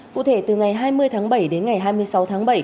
cụ thể từ ngày hai mươi tháng bảy đến ngày hai mươi sáu tháng bảy